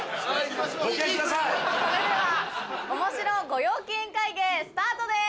それではおもしろご陽気宴会芸スタートです！